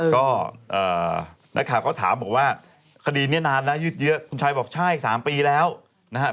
ก็นักข่าวก็ถามบอกว่าคดีนี้นานแล้วยืดเยอะคุณชายบอกใช่๓ปีแล้วนะครับ